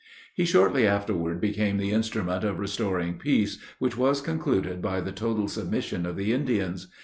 He shortly afterward became the instrument of restoring peace, which was concluded by the total submission of the Indians.